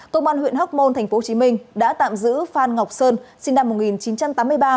công an huyện hóc môn tp hcm đã tạm giữ phan ngọc sơn sinh năm một nghìn chín trăm tám mươi ba